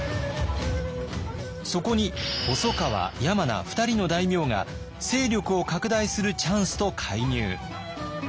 そこに細川山名２人の大名が「勢力を拡大するチャンス」と介入。